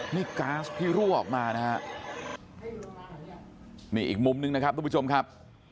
นี่ก๊าซที่รั่วออกมานะฮะนี่อีกมุมนึงนะครับทุกผู้ชมครับ